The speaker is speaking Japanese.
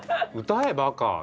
「歌えばか！」